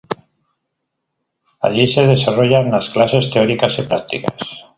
Allí se desarrollan las clases teóricas y prácticas.